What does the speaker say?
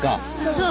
そう。